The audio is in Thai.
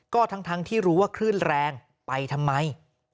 ก็ทั้งที่รู้ว่าคลื่นแรงไปทำไม